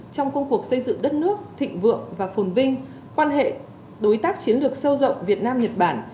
trong công cuộc xây dựng đất nước thịnh vượng và phồn vinh quan hệ đối tác chiến lược sâu rộng việt nam nhật bản